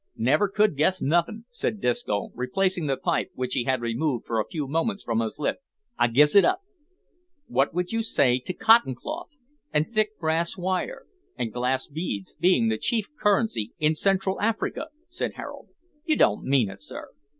"Never could guess nothin'," said Disco, replacing the pipe, which he had removed for a few moments from his lips; "I gives it up." "What would you say to cotton cloth, and thick brass wire, and glass beads, being the chief currency in Central Africa?" said Harold. "You don't mean it, sir?"